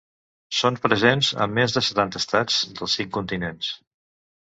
Són presents en més de setanta estats dels cinc continents.